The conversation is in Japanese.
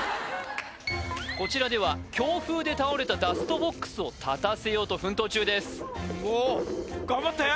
こちらでは強風で倒れたダストボックスを立たせようと奮闘中ですおおっ頑張って！